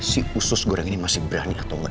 si usus goreng ini masih berani atau enggak